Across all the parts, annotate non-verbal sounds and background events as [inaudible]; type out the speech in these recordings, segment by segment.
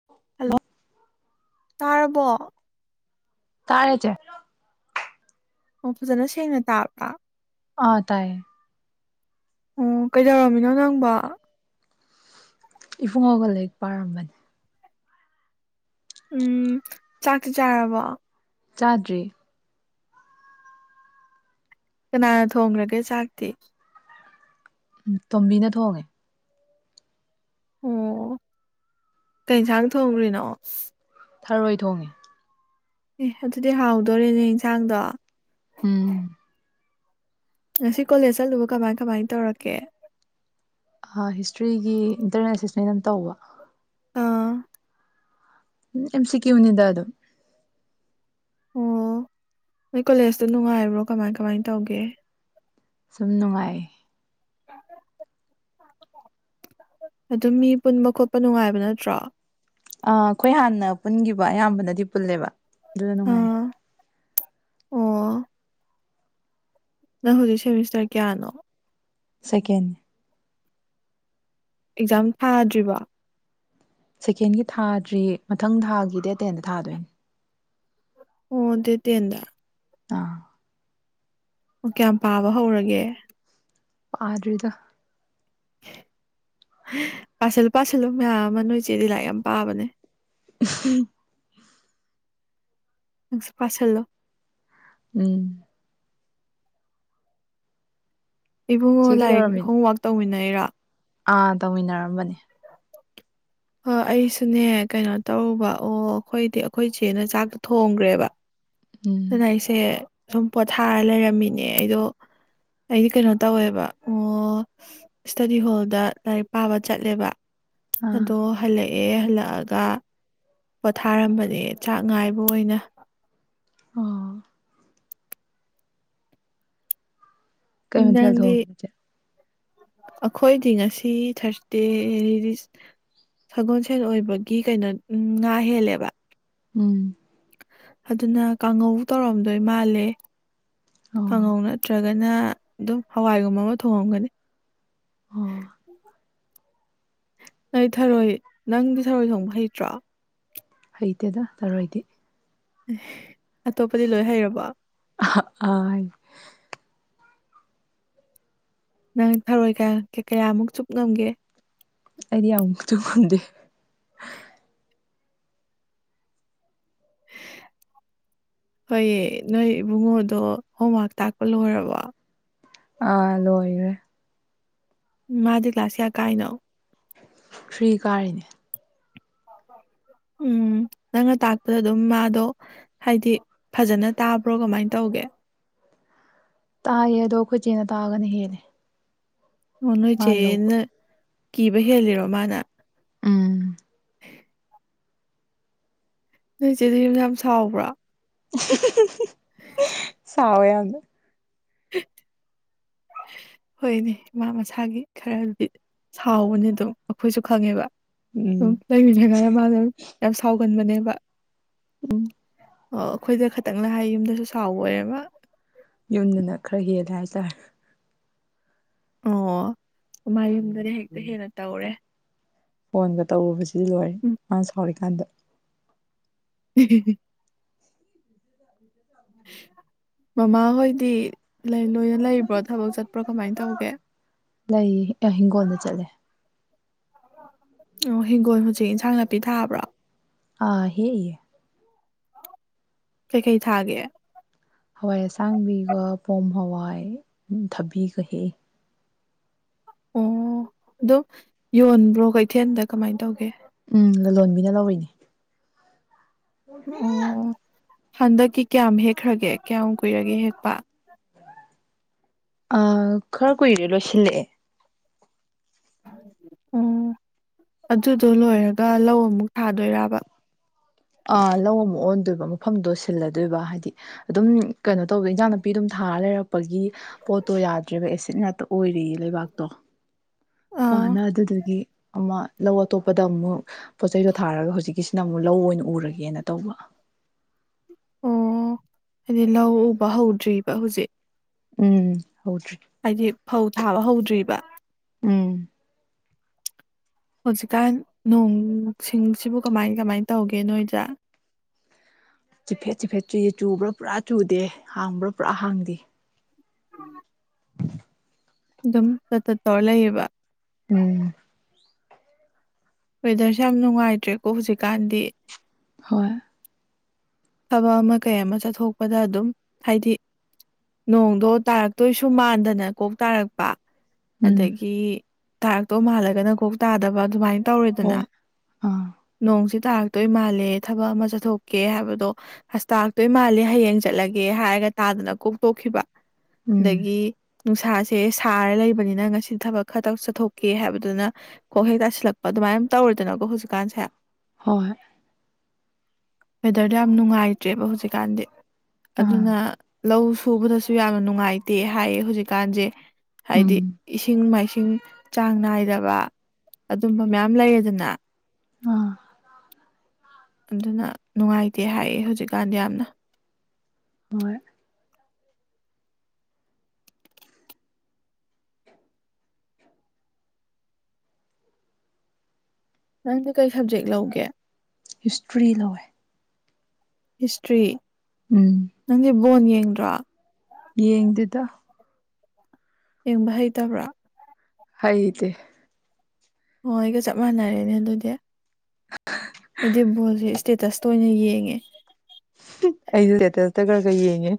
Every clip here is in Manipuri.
[inaudible] ꯍꯜꯂꯣ ꯇꯥꯔꯕꯣ ꯇꯥꯔꯦ ꯆꯦ ꯑꯣ ꯐꯖꯅ ꯁꯦꯡꯅ ꯇꯥꯕ꯭ꯔꯥ ꯑ ꯇꯥꯏꯌꯦ ꯑꯣ ꯀꯩꯗꯧꯔꯝꯃꯤꯅꯣ ꯅꯪꯕ ꯏꯐꯨꯡꯉꯒ ꯂꯥꯏꯛ ꯄꯥꯔꯝꯕꯅꯤ ꯎꯝ ꯆꯥꯛꯇꯤ ꯆꯥꯔꯕꯣ ꯆꯥꯗ꯭ꯔꯤ ꯀꯅꯥꯅ ꯊꯣꯡꯈ꯭ꯔꯒꯦ ꯆꯥꯛꯇꯤ ꯇꯣꯝꯕꯤꯅ ꯊꯣꯡꯉꯦ ꯑꯣ ꯀꯦꯟꯁꯥꯡ ꯊꯣꯡꯈꯔꯤꯅꯣ ꯊꯔꯣꯏ ꯊꯣꯡꯉꯦ ꯑꯦ ꯑꯗꯨꯗꯤ ꯍꯥꯎꯗꯣꯔꯦꯅꯦ ꯏꯟꯁꯥꯡꯗꯣ ꯎꯝ ꯉꯁꯤ ꯀꯣꯂꯦꯖ ꯆꯠꯂꯨꯕ ꯀꯃꯥꯏ ꯀꯃꯥꯏ ꯇꯧꯔꯛꯀꯦ ꯍꯤꯁꯇ꯭ꯔꯤꯒꯤ ꯏꯟꯇꯔꯅꯦꯜ ꯑꯦꯁꯦꯁꯃꯦꯟ ꯑꯃ ꯇꯧꯕ ꯑꯥ ꯎ ꯑꯦꯝ ꯁꯤ ꯀꯌꯤꯎ ꯅꯤꯗ ꯑꯗꯨꯝ ꯑꯣ ꯅꯣꯏ ꯀꯣꯂꯦꯖꯇ ꯅꯨꯡꯉꯥꯏꯕ꯭ꯔꯣ ꯀꯃꯥꯏ ꯀꯃꯥꯏꯅ ꯇꯧꯒꯦ ꯁꯨꯝ ꯅꯨꯡꯉꯥꯏꯌꯦ [inaudible] ꯑꯗꯨꯝ ꯃꯤ ꯄꯨꯟꯕ ꯈꯣꯠꯄ ꯅꯨꯡꯉꯥꯏꯕ ꯅꯠꯇ꯭ꯔꯣ ꯑ ꯑꯩꯈꯣꯏ ꯍꯥꯟꯅ ꯄꯨꯟꯈꯤꯕ ꯑꯌꯥꯝꯕꯅꯗꯤ ꯄꯨꯜꯂꯦꯕ ꯑꯗꯨꯗ ꯅꯨꯡꯉꯥꯏꯌꯦ ꯑꯥ ꯑꯣ ꯅꯪ ꯍꯧꯖꯤꯛ ꯁꯦꯃꯤꯁꯇꯔ ꯀꯌꯥꯅꯣ ꯁꯦꯀꯦꯟ ꯑꯦꯛꯖꯥꯝ ꯊꯥꯗ꯭ꯔꯤꯕꫭ ꯁꯦꯀꯦꯟꯒꯤ ꯊꯥꯗ꯭ꯔꯤ ꯃꯊꯪ ꯊꯥꯒꯤ ꯗꯦꯠ ꯇꯦꯟꯗ ꯊꯥꯗꯣꯏꯅꯤ ꯑꯣ ꯑꯗꯨ ꯇꯦꯟꯗ ꯇ ꯑꯣ ꯀꯌꯥꯝ ꯄꯥꯕ ꯍꯧꯔꯒꯦ ꯄꯥꯗꯔꯤꯗ ꯄꯁꯤꯜꯂꯨ ꯄꯥꯁꯤꯂꯨ ꯃꯌꯥꯝ ꯑꯃ ꯅꯣꯏꯁꯦꯗꯤ ꯂꯥꯏꯔꯤꯛ ꯌꯥꯝ ꯄꯥꯕꯅꯦ ꯎꯝ ꯑꯦꯁꯣ ꯄꯁꯜꯂꯣ ꯎꯝ ꯏꯕꯨꯡꯉꯣ ꯆꯦ ꯂꯥꯏꯔꯤꯛ ꯀꯩꯗꯧꯔꯝꯃꯤꯅꯣ ꯍꯣꯝꯋꯔꯛ ꯇꯧꯃꯤꯟꯅꯩꯔꯥ ꯑꯥ ꯇꯧꯃꯤꯟꯅꯔꯝꯕꯅꯦ ꯑꯩꯁꯨꯅꯦ ꯀꯩꯅꯣ ꯇꯧꯔꯨꯕ ꯑꯣ ꯑꯩꯈꯣꯏꯗꯤ ꯑꯩꯈꯣꯏ ꯏꯆꯦꯅ ꯆꯥꯛꯇꯨ ꯊꯣꯡꯈ꯭ꯔꯦꯕ ꯎꯝ ꯑꯗꯨꯅ ꯑꯩꯁꯦ ꯁꯨꯝ ꯄꯣꯊꯥꯔ ꯂꯩꯔꯝꯃꯤꯅꯦ ꯑꯩꯗꯣ ꯑꯩꯗꯤ ꯀꯩꯅꯣ ꯇꯧꯋꯦꯕ ꯑꯣ ꯏꯁꯇꯗꯤ ꯍꯣꯜꯗ ꯂꯥꯏꯔꯤꯛ ꯄꯥꯕ ꯆꯠꯂꯦꯕ ꯑꯥ ꯑꯗꯣ ꯍꯜꯂꯛꯑꯦ ꯍꯜꯂꯛꯑꯒ ꯄꯣꯊꯥꯔꯝꯕꯅꯦ ꯆꯥꯛ ꯉꯥꯏꯕ ꯑꯣꯏꯅ ꯑꯣ ꯀꯩ ꯃꯊꯦꯜ ꯅꯪꯗꯒꯤ ꯊꯣꯡꯉꯤꯅꯣ ꯆꯦ ꯑꯩꯈꯣꯏꯗꯤ ꯉꯁꯤ ꯊꯥꯔꯁꯗꯦ ꯁꯒꯣꯜꯁꯦꯟ ꯑꯣꯏꯕꯒꯤ ꯀꯩꯅꯣ ꯎꯝ ꯉꯥ ꯍꯦꯜꯂꯦꯕ ꯎꯝ ꯑꯗꯨꯅ ꯀꯥꯡꯉꯧ ꯇꯧꯔꯝꯗꯣꯏ ꯃꯥꯜꯂꯦ ꯑꯣ ꯀꯥꯡꯉꯧ ꯅꯠꯇ꯭ꯔꯒ ꯑꯗꯨꯒꯅ ꯑꯗꯨꯝ ꯍꯋꯥꯏꯒꯨꯝꯕ ꯑꯃ ꯊꯣꯡꯉꯝꯒꯅꯤ ꯑꯣꯝ ꯅ ꯊꯔꯣꯏ ꯅꯪꯗꯤ ꯊꯔꯣꯏ ꯊꯣꯡꯕ ꯍꯩꯇ꯭ꯔꯣ ꯍꯩꯇꯦꯗ ꯊꯔꯣꯏꯗꯤ ꯑꯦ ꯑꯇꯣꯞꯄꯗꯤ ꯂꯣꯏ ꯍꯩꯔꯕꯣ ꯑ ꯑꯏ ꯅꯪ ꯊꯔꯣꯏ ꯀꯌꯥ ꯀꯌꯥꯃꯨꯛ ꯆꯨꯞ ꯉꯝꯒꯦ ꯑꯩꯗꯤ ꯌꯥꯝꯃꯨꯛꯇ ꯉꯟꯗꯦ ꯍꯣꯏ ꯅꯣꯏ ꯏꯕꯨꯡꯉꯣꯗꯣ ꯍꯣꯝꯋꯔꯛ ꯇꯥꯛꯄ ꯂꯣꯏꯕꯣ ꯑꯥ ꯂꯣꯏꯔꯦ ꯃꯥꯗꯤ ꯂꯁꯤꯌꯥ ꯀꯥꯏꯅꯣ ꯊ꯭ꯔꯤ ꯀꯥꯔꯤꯅꯦ ꯎꯝ ꯅꯪꯅ ꯇꯥꯛꯄꯗ ꯑꯗꯨꯝ ꯃꯥꯗꯣ ꯍꯥꯏꯗꯤ ꯐꯖꯅ ꯇꯥꯕ꯭ꯔꯣ ꯀꯃꯥꯏꯅ ꯇꯧꯒꯦ ꯇꯥꯏꯑ ꯑꯗꯣ ꯑꯩꯈꯣꯏ ꯆꯦꯅ ꯇꯥꯕꯅ ꯍꯦꯜꯂꯦ ꯑꯣ ꯅꯣꯏ ꯃꯥꯅ ꯂꯧꯕ ꯆꯦꯅ ꯀꯤꯕ ꯍꯦꯜꯂꯤꯔꯣ ꯃꯥꯅ ꯎꯝ ꯅꯣꯏꯆꯦꯗꯤ ꯌꯨꯝ ꯌꯥꯝ ꯁꯥꯎꯕ꯭ꯔꯥ ꯎꯝ ꯍꯝ ꯁꯋ ꯌꯥꯅ ꯍꯣꯏꯅꯦ ꯏꯃꯥ ꯃꯁꯥꯒꯤ ꯈꯔꯗꯤ ꯁꯥꯎꯕꯅꯦ ꯑꯗꯨ ꯑꯩꯈꯣꯏꯁꯨ ꯈꯪꯉꯦꯕ ꯎꯝ ꯂꯩꯃꯤꯉꯗ ꯃꯥꯗꯣ ꯌꯥꯝ ꯁꯥꯎꯒꯟꯕꯅꯦꯕ ꯎꯝ ꯑꯣ ꯑꯩꯈꯣꯏꯗ ꯈꯇꯪꯂꯥ ꯍꯥꯏ ꯌꯨꯝꯗꯁꯨ ꯁꯥꯎꯕꯣꯏꯔꯦ ꯃꯥ ꯌꯨꯝꯗꯅ ꯈꯔ ꯍꯦꯜꯂꯦ ꯍꯥꯏꯇꯥꯔꯦ ꯑꯣ ꯃꯥ ꯌꯨꯝꯗꯗꯤ ꯍꯦꯛꯇ ꯍꯦꯟꯅ ꯇꯧꯔꯦ ꯐꯣꯟꯒ ꯇꯧꯔꯨꯕꯁꯤꯗꯤ ꯂꯣꯏꯔꯦ ꯎꯝ ꯃꯥꯅ ꯁꯥꯎꯔꯤꯀꯥꯟꯗ ꯍꯤꯍꯤ ꯃꯃꯥꯍꯣꯏꯗꯤ ꯂꯩ ꯂꯣꯏꯅ ꯂꯩꯕ꯭ꯔꯣ ꯊꯕꯛ ꯆꯠꯄ꯭ꯔꯣ ꯀꯃꯥꯏꯅ ꯇꯧꯒꯦ ꯂꯩꯌꯦ ꯍꯤꯡꯒꯣꯜꯗ ꯆꯠꯂꯦ ꯑꯣ ꯍꯤꯡꯒꯣꯟ ꯍꯧꯖꯤꯛ ꯏꯟꯁꯥꯡ ꯅꯥꯄꯤ ꯊꯥꯕ꯭ꯔꯣ ꯑꯥ ꯍꯦꯛꯏꯌꯦ ꯀꯩꯀꯩ ꯊꯥꯒꯦ ꯍꯋꯥꯏ ꯑꯁꯥꯡꯕꯤꯒ ꯄꯣꯝ ꯍꯋꯥꯏ ꯊꯕꯤꯒ ꯍꯦꯛꯏ ꯑꯣ ꯑꯗꯨꯝ ꯌꯣꯟꯕ꯭ꯔꯣ ꯀꯩꯊꯦꯜꯗ ꯀꯃꯥꯏꯅ ꯇꯧꯒꯦ ꯎꯝ ꯂꯂꯣꯟꯕꯤꯅ ꯂꯧꯔꯤꯅꯦ ꯑꯣ ꯍꯟꯗꯛꯀꯤ ꯀꯌꯥꯝ ꯍꯦꯛꯈ꯭ꯔꯒꯦ ꯀꯌꯥꯝ ꯀꯨꯏꯔꯒꯦ ꯍꯦꯛꯄ ꯑ ꯈꯔ ꯀꯨꯏꯔꯦ ꯂꯣꯏꯁꯤꯜꯂꯛꯑꯦ ꯑꯣ ꯑꯗꯨꯗꯣ ꯂꯣꯏꯔꯒ ꯂꯧ ꯑꯃꯨꯛ ꯊꯥꯗꯣꯏꯔꯕ ꯑ ꯂꯧ ꯑꯃꯨꯛ ꯑꯣꯟꯗꯣꯏꯕ ꯃꯐꯝꯗꯣ ꯁꯤꯜꯂꯗꯣꯏꯕ ꯍꯥꯏꯗꯤ ꯑꯗꯨꯝ ꯀꯩꯅꯣ ꯇꯧꯕꯗꯣ ꯏꯟꯖꯥꯡ ꯅꯥꯄꯤ ꯑꯗꯨꯝ ꯊꯥꯔ ꯂꯩꯔꯛꯄꯒꯤ ꯄꯣꯠꯇꯣ ꯌꯥꯗ꯭ꯔꯦꯕ ꯑꯦꯁꯤꯠ ꯉꯥꯛꯇ ꯑꯣꯏꯔꯦꯌꯦ ꯂꯩꯕꯥꯛꯇꯣ ꯑꯥ ꯄꯥꯅ ꯑꯗꯨꯗꯨꯒꯤ ꯑꯃ ꯂꯧ ꯑꯇꯣꯞꯄꯗ ꯑꯃꯨꯛ ꯄꯣꯠ ꯆꯩꯗꯣ ꯊꯥꯔꯒ ꯍꯧꯖꯤꯛꯀꯤꯁꯤꯅ ꯑꯃꯨꯛ ꯂꯧ ꯑꯣꯏꯅ ꯎꯔꯒꯦꯅ ꯇꯧꯕ ꯑꯣ ꯍꯥꯏꯗꯤ ꯂꯧ ꯎꯕ ꯍꯧꯗ꯭ꯔꯤꯕ ꯍꯧꯖꯤꯛ ꯎꯝ ꯍꯧꯗ꯭ꯔꯤ ꯍꯥꯏꯗꯤ ꯐꯧ ꯊꯥꯕ ꯍꯧꯗ꯭ꯔꯤꯕꯥ ꯎꯝ ꯍꯧꯖꯤꯛꯀꯥꯟ ꯅꯣꯡ ꯁꯤꯡꯁꯤꯕꯨ ꯀꯃꯥꯏ ꯀꯃꯥꯏꯅ ꯇꯧꯒꯦ ꯅꯣꯏꯗ ꯆꯤꯐꯦꯠ ꯆꯤꯐꯦꯠ ꯆꯨꯏꯌꯦ ꯆꯨꯕ꯭ꯔ ꯄꯨꯔꯥ ꯆꯨꯗꯦ ꯍꯥꯡꯕ꯭ꯔ ꯄꯨꯔꯥ ꯍꯥꯡꯗꯦ [inaudible] ꯑꯗꯨꯝ ꯇꯠ ꯇꯠ ꯇꯧꯔ ꯂꯩꯔꯤꯕꯥ ꯎꯝ ꯋꯦꯗꯔꯁꯦ ꯌꯥꯝ ꯅꯨꯡꯉꯥꯏꯇ꯭ꯔꯦꯀꯣ ꯍꯧꯖꯤꯛ ꯀꯥꯟꯗꯤ ꯍꯣꯏ ꯊꯕꯛ ꯑꯃ ꯀꯩ ꯑꯃ ꯆꯠꯊꯣꯛꯄꯗ ꯑꯗꯨꯝ ꯍꯥꯏꯗꯤ ꯅꯣꯡꯗꯣ ꯇꯥꯔꯛꯇꯣꯏꯁꯨ ꯃꯥꯟꯗꯅ ꯀꯣꯛ ꯇꯥꯔꯛꯄ꯫ ꯎꯝ ꯑꯗꯒꯤ ꯇꯥꯔꯛꯇꯧ ꯃꯥꯜꯂꯒꯅ ꯀꯣꯛ ꯇꯥꯗꯕ ꯑꯗꯨꯃꯥꯏ ꯇꯧꯔꯦꯗꯅ ꯍꯣꯏ ꯑꯥ ꯅꯣꯡꯁꯤ ꯇꯥꯔꯛꯇꯣꯏ ꯃꯥꯜꯂꯦ ꯊꯕꯛ ꯑꯃ ꯆꯠꯊꯣꯛꯀꯦ ꯍꯥꯏꯕꯗꯣ꯫ ꯍꯁ ꯇꯥꯥꯔꯛꯇꯣꯏ ꯃꯥꯜꯂꯦ ꯍꯌꯦꯡ ꯆꯠꯂꯒꯦ ꯍꯥꯏꯔꯒ ꯇꯥꯗꯅ ꯀꯣꯛꯇꯣꯛꯈꯤꯕ ꯎꯝ ꯑꯗꯒꯤ꯫ ꯅꯨꯡꯁꯥꯁꯦ ꯁꯥꯔ ꯂꯩꯕꯅꯤꯅ ꯉꯁꯤ ꯊꯕꯛ ꯈꯔꯇꯪ ꯆꯠꯊꯣꯛꯀꯦ ꯍꯥꯏꯕꯗꯨꯅ ꯀꯣꯛ ꯍꯦꯛ ꯇꯥꯁꯤꯜꯂꯛꯄ ꯑꯗꯨꯃꯥꯏꯅ ꯇꯧꯔꯦꯗꯅꯀꯣ ꯍꯧꯖꯤꯛꯀꯥꯟꯁꯦ꯫ ꯍꯣꯏ ꯍꯣꯏ꯫ ꯋꯦꯗꯔꯗꯣ ꯌꯥꯝ ꯅꯨꯡꯉꯥꯏꯇ꯭ꯔꯦꯕ ꯍꯧꯖꯤꯛꯀꯥꯟꯗꯤ ꯑꯥ ꯑꯗꯨꯅ꯫ ꯂꯧ ꯁꯨꯕꯗꯁꯨ ꯌꯥꯝꯅ ꯅꯨꯡꯉꯥꯏꯇꯦ ꯍꯥꯏꯌꯦ ꯍꯧꯖꯤꯛꯀꯥꯟꯁꯦ꯫ ꯍꯥꯏꯗꯤ ꯎꯝ ꯏꯁꯤꯡ ꯃꯥꯏꯁꯤꯡ꯫ ꯆꯥꯡ ꯅꯥꯏꯗꯕ ꯑꯗꯨꯝꯕ ꯃꯌꯥꯝ ꯂꯩꯔꯦꯗꯅ꯫ ꯑꯥ ꯑꯗꯨꯅ ꯅꯨꯡꯉꯥꯏꯇꯦ ꯍꯥꯏꯌꯦ ꯍꯧꯖꯤꯛꯀꯥꯟꯗꯤ ꯌꯥꯝꯅ꯫ ꯍꯣꯏ꯫ ꯅꯪꯗꯤ ꯀꯩ ꯁꯕꯖꯦꯛ ꯂꯧꯒꯦ꯫ ꯍꯤꯁꯇ꯭ꯔꯤ ꯂꯧꯋꯦ꯫ ꯍꯤꯁꯇ꯭ꯔꯤ ꯎꯝ ꯅꯪꯗꯤ ꯕꯣꯟ ꯌꯦꯡꯗ꯭ꯔꯥ ꯌꯦꯡꯗꯦꯗꯥ ꯌꯦꯡꯕ ꯍꯩꯇꯕ꯭ꯔꯥ꯫ ꯍꯥꯏꯗꯦ꯫ ꯍꯣꯏ ꯒ ꯆꯞ ꯃꯥꯟꯅꯔꯦꯅꯦ ꯗꯨꯗꯦ ꯑ [unintelligible] ꯑꯩꯗꯤ ꯕꯣꯜꯁꯦ ꯏꯁꯇꯦꯇꯁꯇ ꯑꯣꯏꯅ ꯌꯦꯡꯉꯦ꯫ ꯑꯩꯗꯤ ꯂꯦꯠꯇꯜꯗ ꯈꯔ ꯈꯔ ꯌꯦꯡꯉꯦ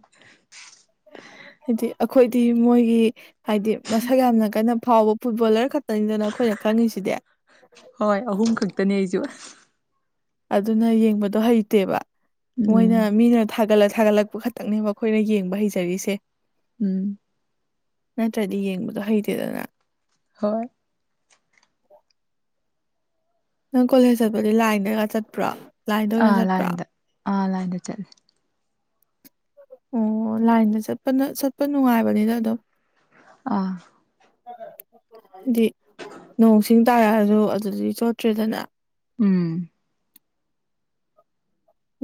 ꯍꯥꯏꯗꯤ ꯑꯩꯈꯣꯏꯗꯤ ꯃꯣꯏꯒꯤ꯫ ꯍꯥꯏꯗꯤ ꯃꯁꯛ ꯌꯥꯝꯅ ꯀꯟꯅ ꯐꯥꯎꯕ ꯐꯨꯠꯕꯣꯜꯂꯔ ꯈꯛꯇꯅꯤꯗꯅ ꯑꯩꯈꯣꯏꯅ ꯈꯪꯉꯤꯁꯤꯗꯦ ꯍꯣꯏ ꯑꯍꯨꯝ ꯈꯛꯇꯅꯦ ꯑꯩꯁꯨ ꯑꯗꯨꯅ ꯌꯦꯡꯕꯗꯣ ꯍꯩꯇꯦꯕ ꯃꯣꯏꯅ ꯎꯝ ꯃꯤꯅ ꯊꯥꯒꯠꯂ ꯊꯥꯒꯠꯂꯛꯄ ꯈꯛꯇꯛꯅꯦꯕ ꯑꯩꯈꯣꯏꯅ ꯌꯦꯡꯕ ꯍꯩꯖꯔꯤꯁꯦ꯫ ꯎꯝ꯫ ꯅꯠꯇ꯭ꯔꯗꯤ ꯌꯦꯡꯕꯗꯣ ꯍꯩꯇꯦꯗꯅ ꯍꯣꯏ ꯅꯪ ꯀꯣꯂꯦꯖ ꯆꯠꯄꯗꯤ ꯂꯥꯏꯟꯗꯒ ꯆꯠ [unintelligible] ꯑꯥ ꯂꯥꯏꯟꯗ ꯑ ꯂꯥꯏꯟꯗ ꯆꯠꯂꯦ꯫ ꯑꯣ ꯂꯥꯏꯟꯗ ꯆꯠꯄꯅ ꯆꯠꯄ ꯅꯨꯡꯉꯥꯏꯕꯅꯤꯅ ꯑꯗꯨꯝ꯫ ꯑꯥ ꯗꯤ ꯅꯣꯡꯁꯤꯡ ꯇꯥꯔꯛꯑꯁꯨ ꯑꯗꯨꯗꯤ ꯆꯣꯠꯇ꯭ꯔꯦꯗꯥꯅ ꯎꯝ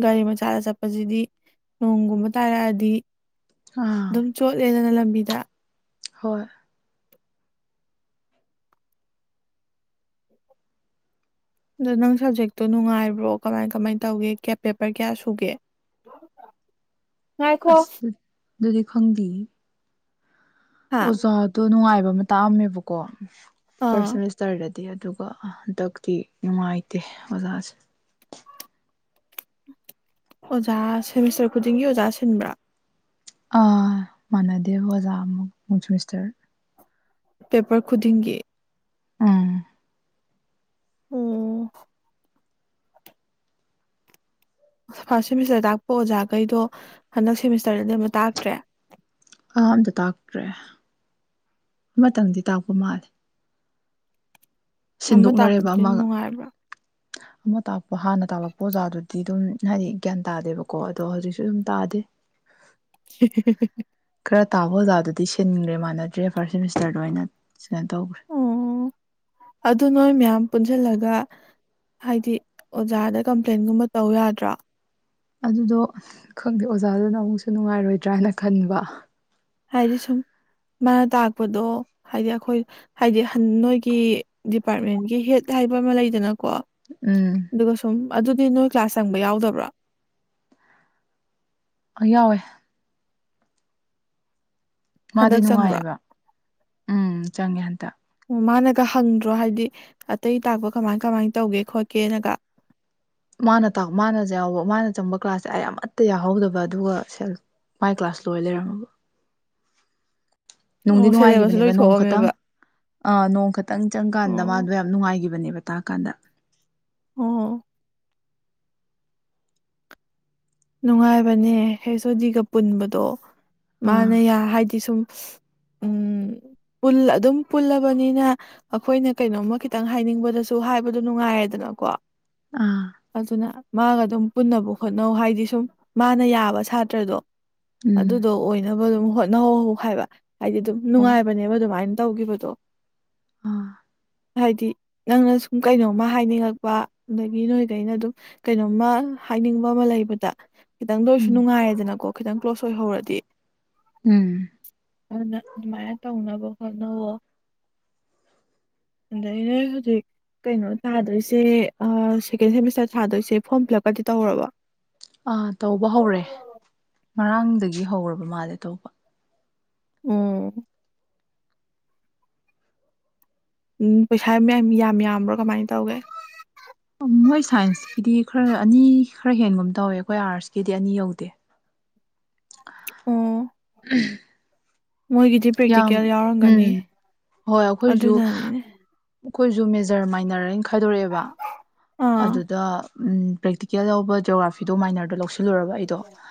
ꯒꯥꯔꯤ ꯃꯆꯥꯗ ꯆꯠꯄꯁꯤꯗꯤ ꯅꯣꯡꯒꯨꯝꯕ ꯇꯥꯔꯛ ꯑꯗꯤ ꯑꯥ ꯆꯣꯠꯂꯦꯗꯅ ꯂꯝꯕꯤꯗ ꯍꯣꯏ꯫ ꯑꯗꯣ ꯅꯪ ꯁꯞꯖꯦꯛꯇꯣ ꯅꯨꯡꯉꯥꯏꯕ꯭ꯔꯣ ꯀꯃꯥꯏ ꯀꯃꯥꯏꯅ ꯇꯧꯒꯦ ꯀꯦꯝ ꯄꯦꯄꯔ ꯀꯌꯥ ꯁꯨꯒꯦ꯫ [inaudible] ꯉꯥꯏꯈꯣ ꯑꯁ ꯑꯗꯨꯗꯤ ꯈꯪꯗꯦꯌꯦ ꯍꯥ ꯑꯣꯖꯥꯗꯣ ꯅꯨꯡꯉꯥꯏꯕ ꯑꯃ ꯇꯥꯛꯑꯝꯃꯦꯕꯀꯣ ꯐꯥꯔꯁ ꯑꯥ ꯁꯦꯃꯤꯁꯇꯔꯗꯗꯤ꯫ ꯗꯦ ꯑꯗꯨꯒ ꯍꯟꯗꯛꯇꯤ ꯅꯨꯡꯉꯥꯏꯇꯦ ꯑꯣꯖꯥꯁꯦ꯫ ꯑꯣꯖꯥ ꯁꯦꯃꯤꯁꯇꯔ ꯈꯨꯗꯤꯡꯒꯤ ꯑꯣꯖꯥ ꯁꯤꯟꯕ꯭ꯔꯥ꯫ ꯑ ꯃꯥꯟꯗꯦ ꯑꯣꯖꯥ ꯑꯃ [unintelligible] ꯄꯦꯄꯔ ꯈꯨꯗꯤꯡꯒꯤ꯫ ꯎꯝ [unintelligible] ꯐꯥꯔꯁꯠ ꯁꯦꯃꯤꯁꯇꯔ ꯇꯥꯛꯄ ꯑꯣꯖꯥꯒꯩꯗꯣ ꯍꯟꯗꯛ ꯁꯦꯃꯤꯁꯇꯔꯗꯗꯤ ꯑꯃꯇ ꯇꯥꯛꯇ꯭ꯔꯦ꯫ ꯑꯑꯝꯇ ꯇꯥꯛꯇ꯭ꯔꯦ ꯑꯃꯇꯪꯗꯤ ꯇꯥꯛꯄ ꯃꯥꯜꯂꯦ꯫ ꯑꯃ ꯇꯥꯛꯄ [unintelligible] ꯁꯤꯟꯗꯣꯛꯅꯔꯦꯕ ꯗꯤ ꯑꯃꯒ ꯅꯨꯡꯉꯥꯏꯕ꯭ꯔꯥ ꯑꯃ ꯇꯥꯛꯄ ꯍꯥꯟꯅ ꯇꯥꯛꯂꯛꯄ ꯑꯣꯖꯥꯗꯨꯗꯤ ꯑꯗꯨꯝ ꯍꯥꯏꯗꯤ ꯒ꯭ꯌꯥꯟ ꯇꯥꯗꯦꯕꯀꯣ ꯑꯗꯣ ꯍꯧꯖꯤꯛꯁꯨ ꯑꯗꯨꯝ ꯇꯥꯗꯦ [inaudible] ꯈꯔ ꯇꯥꯕ ꯑꯣꯖꯥꯗꯨꯗꯤ ꯁꯤꯟꯈ꯭ꯔꯦ ꯃꯥꯟꯅꯗ꯭ꯔꯦ ꯐ꯭ꯔꯁ ꯁꯦꯃꯤꯁꯇꯔꯗ ꯑꯣꯏꯅ ꯁꯤꯃꯥꯏ ꯇꯧꯈ꯭ꯔꯦ ꯑꯣ [inaudible] ꯑꯗꯨ ꯅꯣꯏ ꯃꯌꯥꯝ ꯄꯨꯟꯖꯤꯜꯂꯒ ꯍꯥꯏꯗꯤ ꯑꯣꯖꯥꯗ ꯀꯝꯄ꯭ꯂꯦꯟꯒꯨꯝꯕ ꯇꯧ ꯌꯥꯗ꯭ꯔꯥ꯫ ꯑꯗꯨꯗꯣ ꯈꯪꯗꯦ ꯑꯣꯖꯥꯗꯨꯅ ꯑꯃꯨꯛꯁꯨ ꯅꯨꯡꯉꯥꯏꯔꯣꯏꯗ꯭ꯔꯥꯅ ꯈꯟꯕ꯫ ꯍꯥꯏꯗꯤ ꯁꯨꯝ ꯃꯥꯅ ꯇꯥꯛꯄꯗꯣ ꯍꯥꯏꯗꯤ ꯑꯈꯣꯏ ꯍꯥꯏꯗꯤ ꯍꯟ ꯅꯣꯏꯒꯤ ꯗꯤꯄꯥꯔꯠꯃꯦꯟꯒꯤ ꯍꯦꯠ ꯍꯥꯏꯕ ꯑꯃ ꯂꯩꯗꯅꯀꯣ ꯎꯝ꯫ ꯑꯗꯨꯒ ꯁꯨꯝ ꯑꯗꯨꯗꯤ ꯅꯣꯏ ꯀ꯭ꯂꯥꯁ ꯆꯪꯕ ꯌꯥꯎꯗꯕ꯭ꯔꯥ ꯀꯣ ꯌꯥꯎꯋꯦ꯫ ꯃꯥꯗꯤ ꯍꯟꯗꯛ ꯆꯪꯕ꯭ꯔꯥ ꯅꯨꯡꯉꯥꯏꯌꯦꯕ ꯎꯝ ꯆꯪꯉꯦ ꯍꯟꯇ ꯑꯣ ꯃꯥꯅꯒ ꯍꯪꯗ꯭ꯔꯣ ꯍꯥꯏꯗꯤ ꯑꯇꯩ ꯇꯥꯛꯄ ꯀꯃꯥꯏ ꯀꯃꯥꯏ ꯇꯧꯒꯦ ꯈꯣꯠꯀꯦꯅꯒ꯫ ꯃꯥꯅ ꯇꯥꯛ ꯃꯥꯅ ꯌꯥꯎꯕ ꯃꯥꯅ ꯆꯪꯕ ꯀ꯭ꯂꯥꯁꯁꯦ ꯑꯩ ꯑꯃꯠꯇ ꯌꯥꯎꯍꯧꯗꯕ ꯑꯗꯨꯒ ꯃꯥꯏ ꯀ꯭ꯂꯥꯁ ꯂꯣꯏ ꯂꯩꯔꯝꯃꯕ ꯅꯨꯡꯗꯤ ꯑꯣ ꯁꯦꯂꯦꯕꯁꯁꯨ ꯅꯨꯡꯉꯥꯏꯈꯤꯕꯅꯦꯕꯥ ꯅꯣꯡ ꯈꯠꯇꯪ ꯂꯣꯏꯊꯣꯛꯑꯝꯃꯦꯕ ꯑ ꯅꯣꯡ ꯈꯠꯇꯪ ꯆꯪꯀꯥꯟꯗ ꯑꯣ ꯃꯥꯗꯣ ꯌꯥꯝ ꯅꯨꯡꯉꯥꯏꯒꯤꯕꯅꯦꯕꯥ ꯇꯥꯛꯑꯀꯥꯟꯗ ꯑꯣ ꯅꯨꯡꯉꯥꯏꯕꯅꯦ ꯍꯦ ꯁꯣꯗꯤꯒ ꯄꯨꯟꯕꯗꯣ ꯑꯥ ꯃꯥꯅ ꯌꯥ ꯍꯥꯏꯗꯤ ꯁꯨꯝ꯫ ꯎꯝ ꯑꯗꯨꯝ ꯄꯨꯜꯂꯕꯅꯤꯅ ꯑꯩꯈꯣꯏꯅ ꯀꯩꯅꯣꯝꯃ ꯈꯤꯇꯪ ꯍꯥꯏꯅꯤꯡꯕꯗꯁꯨ ꯍꯥꯏꯕꯗꯣ ꯅꯨꯡꯉꯥꯏꯔꯦꯗꯅꯀꯣ ꯑꯥ ꯑꯗꯨꯅ ꯃꯥꯒ ꯑꯗꯨꯝ ꯄꯨꯟꯅꯕ ꯍꯣꯠꯅꯧ ꯍꯥꯏꯗꯤꯁ ꯁꯨꯝ ꯃꯥꯅ ꯌꯥꯕ ꯁꯥꯇ꯭ꯔꯗꯣ ꯎꯝ ꯑꯗꯨꯗꯣ ꯑꯣꯏꯅꯕ ꯑꯗꯨꯝ ꯍꯣꯠꯅꯍꯧ ꯍꯥꯏꯕ ꯍꯥꯏꯗꯤ ꯗꯨꯝ ꯍꯣꯏ ꯅꯨꯡꯉꯥꯏꯕꯅꯦꯕ ꯗꯨꯃꯥꯏꯟ ꯇꯧꯈꯤꯕꯗꯣ ꯑꯥ ꯍꯥꯏꯗꯤ ꯅꯪꯅ ꯁꯨꯝ ꯀꯩꯅꯣꯝꯃ ꯍꯥꯏꯅꯤꯡꯉꯛꯄ ꯑꯗꯒꯤ ꯅꯣꯏꯗꯩꯩꯅ ꯑꯗꯨꯝ ꯀꯩꯅꯣꯝꯃ ꯍꯥꯏꯅꯤꯡꯕ ꯑꯃ ꯂꯩꯕꯗ ꯈꯤꯇꯪꯗ ꯑꯣꯏꯁꯨ ꯎꯝ ꯅꯨꯡꯉꯥꯏꯌꯦꯗꯅꯀꯣ ꯈꯤꯇꯪ ꯀ꯭ꯂꯣꯁ ꯑꯣꯏꯍꯧꯔꯗꯤ ꯎꯝ ꯑꯗꯨꯅ ꯑꯗꯨꯃꯥꯏꯅ ꯇꯧꯅꯕ ꯍꯣꯠꯅꯋꯣ ꯑꯩꯅ ꯍꯧꯗꯤ [unintelligible] ꯀꯩꯅꯣ ꯊꯥꯗꯣꯏꯁꯦ ꯑ ꯁꯦꯀꯦꯟ ꯁꯤꯃꯤꯁꯇꯔ ꯊꯥꯗꯣꯏꯁꯦ ꯐꯣꯔꯝ ꯐꯤꯂꯞꯀꯗꯤ ꯇꯧꯔꯕꯣ ꯑ ꯇꯧꯕ ꯍꯧꯔꯦ ꯉꯔꯥꯡꯗꯒꯤ ꯍꯧꯔꯕ ꯃꯥꯂꯦ ꯇꯧꯕ ꯎꯝ ꯎꯝ ꯄꯩꯁꯥ [unintelligible] ꯌꯥꯝꯕ꯭ꯔꯣ ꯀꯃꯥꯏꯅ ꯇꯧꯒꯦ ꯃꯣꯏ ꯁꯥꯏꯟꯁꯀꯤꯗꯤ ꯈꯔ ꯑꯅꯤ ꯈꯔ ꯍꯦꯟꯒꯨꯝ ꯇꯧꯋꯦ ꯑꯩꯈꯣꯏ ꯑꯥꯔꯠꯁꯀꯤꯗꯤ ꯑꯅꯤ ꯌꯧꯗꯦ ꯑꯣ ꯎꯝ [unintelligible] ꯃꯣꯏꯒꯤꯗꯤ ꯌꯥꯝ ꯄ꯭ꯔꯦꯛꯇꯤꯀꯦꯜ ꯎꯝ ꯌꯥꯎꯔꯝꯒꯅꯤ ꯍꯣꯏ ꯑꯩꯈꯣꯏꯖꯨ ꯑꯗꯨꯅꯅꯤꯅꯦ ꯑꯩꯈꯣꯏꯁꯨ ꯃꯦꯖꯔ ꯃꯥꯏꯅꯔ ꯍꯥꯏ ꯈꯥꯏꯗꯣꯔꯛꯑꯦꯕ ꯑꯥ ꯑꯗꯨꯗ ꯎꯝ ꯄ꯭ꯔꯦꯛꯇꯤꯀꯦꯜ ꯂꯧꯕ ꯖꯣꯒ꯭ꯔꯥꯐꯤꯗꯣ ꯃꯥꯏꯅꯔꯗ ꯂꯧꯁꯤꯜꯂꯨꯔꯕ ꯑꯩꯗꯣ [inaudible]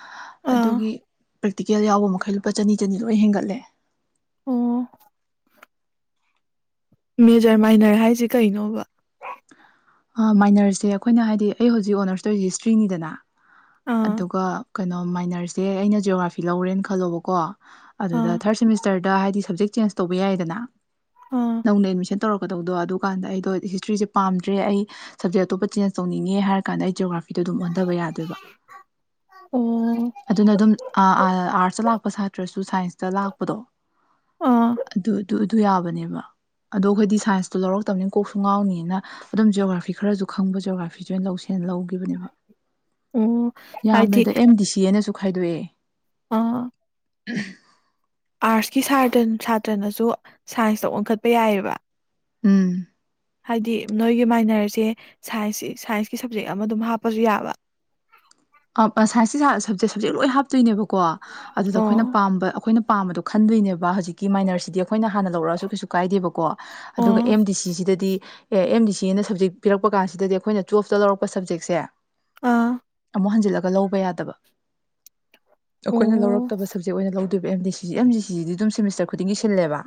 ꯑꯥ ꯑꯗꯨꯒꯤ ꯄ꯭ꯔꯦꯛꯇꯤꯀꯦꯜ ꯌꯥꯎꯕ ꯃꯈꯩ ꯂꯨꯄꯥ ꯆꯅꯤ ꯆꯅꯤ ꯂꯣꯏ ꯍꯦꯟꯒꯠꯂꯦ ꯑꯣ ꯃꯦꯖꯔ ꯃꯥꯏꯅꯔ ꯍꯥꯏꯔꯤꯁꯦ ꯀꯩꯅꯣꯕꯥ ꯃꯥꯏꯅꯔꯁꯦ ꯑꯩꯈꯣꯏꯅ ꯍꯥꯏꯗꯤ ꯑꯩ ꯍꯧꯖꯤꯛ ꯑꯣꯅꯔꯁ ꯇꯣꯔꯤꯁꯦ ꯍꯤꯁꯇ꯭ꯔꯤꯅꯤꯗꯅ ꯑꯥ ꯑꯗꯨꯒ ꯀꯩꯅꯣ ꯃꯥꯏꯅꯔꯁꯦ ꯑꯩꯅ ꯖꯤꯌꯣꯒ꯭ꯔꯥꯐꯤ ꯂꯧꯔꯦꯅ ꯈꯜꯂꯣꯕꯥꯀꯣ ꯑꯗꯨꯗ ꯑꯥ ꯊꯔ ꯁꯤꯃꯤꯁ ꯆꯔꯗ ꯥꯍꯥꯏꯗꯤ ꯁꯕꯖꯦꯛ ꯆꯦꯟꯖ ꯇꯧꯕ ꯌꯥꯏꯌꯦꯗꯅ ꯑꯥ ꯅꯧꯅ ꯑꯦꯗꯃꯤꯁꯁꯟ ꯇꯧꯔꯛꯀꯗꯕꯗꯣ ꯑꯗꯨꯀꯥꯟꯗ ꯑꯩꯗꯣ ꯍꯤꯁꯇ꯭ꯔꯤꯁꯦ ꯄꯥꯝꯗ꯭ꯔꯦ ꯑꯩ [inaudible] ꯁꯞꯖꯦꯛ ꯑꯇꯣꯞꯄ ꯆꯦꯟꯖ ꯇꯧꯅꯤꯡꯉꯦ ꯍꯥꯏꯔ ꯀꯥꯟꯗ ꯑꯩ ꯖꯤꯌꯣꯒ꯭ꯔꯥꯐꯤꯗꯣ ꯑꯗꯨꯝ ꯑꯣꯟꯗꯕ ꯌꯥꯗꯣꯏꯕ [inaudible] ꯑꯣ ꯑꯗꯨꯅ ꯑꯗꯨꯝ ꯑꯥ ꯑꯥ ꯑꯥꯔꯠꯁꯇ ꯂꯥꯛꯄ ꯁꯥꯇ꯭ꯔꯁꯨ ꯁꯥꯏꯟꯁꯇ ꯂꯥꯛꯄꯗꯣ ꯑꯥ ꯑꯗꯨ ꯑꯗꯨ ꯑꯗꯨ ꯌꯥꯕꯅꯦꯕ ꯑꯗꯣ ꯑꯩꯈꯣꯏꯗꯤ ꯁꯥꯏꯟꯁꯇꯣ ꯂꯧꯔꯛꯇꯕꯅꯤꯅꯥ ꯀꯣꯛꯁꯨ ꯉꯥꯎꯅꯤꯅ ꯑꯗꯨꯝ ꯖꯤꯌꯣꯒ꯭ꯔꯥꯐꯤ ꯈꯔꯖꯨ ꯈꯪꯕ ꯖꯤꯌꯣꯒ꯭ꯔꯥꯐꯤꯁꯦ ꯑꯣꯏꯅ ꯂꯧꯁꯦꯟ ꯂꯧꯈꯤꯕꯅꯦꯕꯥ ꯑꯣ ꯍꯥꯏꯗꯤ ꯌꯥꯝꯃꯦꯗ ꯑꯦꯝ ꯗꯤ ꯁꯤ [unintelligible] ꯅꯁꯨ ꯈꯥꯏꯗꯣꯛꯑꯦ ꯑ ꯑꯥꯔꯠꯁꯀꯤ ꯁꯥꯇ ꯁꯥꯇ꯭ꯔꯅꯁꯨ ꯁꯥꯏꯟꯁꯇ ꯑꯣꯟꯈꯠꯄ ꯌꯥꯏꯑꯕ ꯎꯝ ꯍꯥꯏꯗꯤ ꯅꯣꯏꯒꯤ ꯃꯥꯏꯅꯔꯁꯦ ꯁꯥꯏꯟꯁꯁꯤ ꯁꯥꯏꯟꯁꯀꯤ ꯁꯞꯖꯦꯛ ꯑꯃ ꯑꯗꯨꯝ ꯍꯥꯞꯄꯁꯨ ꯌꯥꯕ ꯑꯞ ꯑ ꯁꯥꯏꯟꯁꯇ ꯁꯔ ꯁꯞꯖꯦꯛ ꯂꯣꯏ ꯍꯥꯞꯇꯣꯏꯅꯦꯕꯥꯀꯣ ꯑꯗꯨꯗ ꯑꯣ ꯑꯩꯈꯣꯏꯅ ꯄꯥꯝꯕ ꯑꯩꯈꯣꯏꯅ ꯄꯥꯝꯕꯗꯣ ꯈꯟꯗꯣꯏꯅꯦꯕ ꯍꯧꯖꯤꯛꯀꯤ ꯃꯥꯏꯅꯔꯁꯤꯗꯤ ꯑꯩꯈꯣꯏꯅ ꯍꯥꯟꯅ ꯂꯧ ꯔ ꯑꯁꯨ ꯀꯩꯁꯨ ꯀꯥꯏꯗꯦꯕꯥꯀꯣ ꯑꯗꯨꯒ ꯑꯣ ꯑꯦꯝ ꯗꯤ ꯁꯤꯁꯤꯗꯗꯤ ꯑꯦ ꯑꯦꯝ ꯕꯤ ꯁꯤ ꯅ ꯁꯞꯖꯦꯛ ꯄꯤꯔꯛꯄ ꯀꯥꯁꯤꯗꯗꯤ ꯑꯩꯈꯣꯏꯅ ꯇꯨꯋꯦꯐꯇ ꯂꯧꯔꯛꯄ ꯁꯞꯖꯦꯛꯁꯦ ꯑ ꯑꯃꯨꯛ ꯍꯟꯖꯤꯜꯂꯒ ꯂꯧꯕ ꯌꯥꯗꯕ ꯑꯈꯣꯏꯅ ꯑꯣ ꯂꯧꯔꯛꯇꯕ ꯁꯕꯖꯦꯛ ꯑꯣꯏꯅ ꯂꯧ ꯑꯦꯝ ꯗꯤ ꯁꯤ ꯑꯦꯝ ꯗꯤ ꯁꯤꯗꯤ ꯗꯨꯝ ꯁꯤꯃꯤꯁꯇꯔ ꯈꯨꯗꯤꯡꯒꯤ ꯁꯤꯜꯂꯦꯕꯥ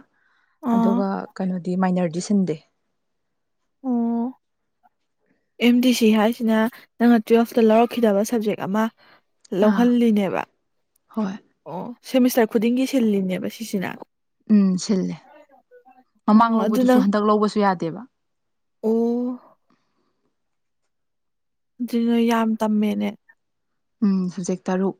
ꯑꯥ ꯑꯗꯨꯒ ꯀꯩꯅꯣꯗꯤ ꯃꯥꯏꯅꯔꯗꯤ ꯁꯤꯟꯗꯦ ꯑꯣ ꯑꯦꯝ ꯗꯤ ꯁꯤ ꯍꯥꯏꯖꯤꯅ ꯅꯪꯅ ꯇꯨꯋꯦꯜꯐꯇ ꯂꯧꯔꯛꯈꯤꯗꯕ ꯁꯕꯖꯦꯛ ꯑꯃ ꯑꯥ ꯂꯧꯍꯜꯂꯤꯅꯦꯕꯥ ꯍꯣꯏ ꯑꯣ ꯁꯤꯃꯤꯁꯇꯔ ꯈꯨꯗꯤꯡꯒꯤ ꯁꯤꯜꯂꯤꯅꯦꯕꯥ ꯁꯤꯁꯤꯅ [inaudible] ꯎꯝ ꯁꯤꯜꯂꯦ ꯃꯃꯥꯡ ꯑ‌ꯣ ꯑꯗꯨ ꯅ ꯂꯧꯕꯗꯨꯁꯨ ꯍꯟꯗꯛ ꯂꯧꯕꯁꯨ ꯌꯥꯗꯦꯕ ꯑꯣ [unintelligible] ꯌꯥꯝ ꯇꯝꯃꯦꯅꯦ ꯎꯝ ꯁꯞꯖꯦꯛ ꯇꯔꯨꯛ